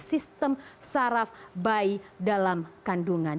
sistem saraf bayi dalam kandungan